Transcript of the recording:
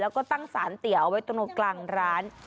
แล้วก็ตั้งสารเตี๋ยเอาไว้ตรงกลางร้าน